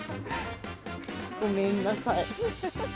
ごめんなさい。